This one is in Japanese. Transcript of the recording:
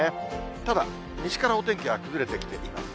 ただ、西からお天気は崩れてきています。